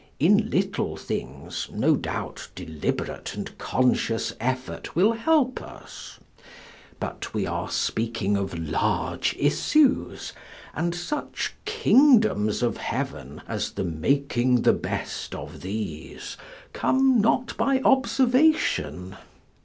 In little things no doubt deliberate and conscious effort will help us, but we are speaking of large issues, and such kingdoms of heaven as the making the best of these come not by observation.